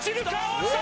落ちた！